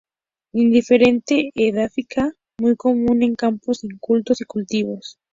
Indiferente edáfica, muy común en campos incultos y cultivos.